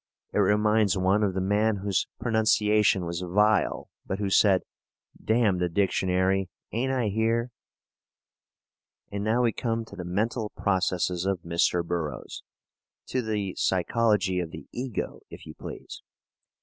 It reminds one of the man whose pronunciation was vile, but who said: "Damn the dictionary; ain't I here?" And now we come to the mental processes of Mr. Burroughs to the psychology of the ego, if you please.